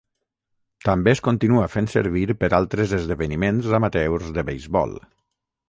També es continua fent servir per altres esdeveniments amateurs de beisbol.